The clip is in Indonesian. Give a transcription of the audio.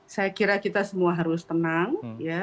saya kira kita semua harus tenang